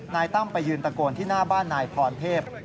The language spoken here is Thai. นายตั้มไปยืนตะโกนที่หน้าบ้านนายพรเทพภุมภวง